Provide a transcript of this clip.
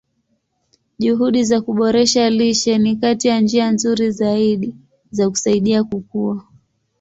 Juhudi za kuboresha lishe ni kati ya njia nzuri zaidi za kusaidia kukua.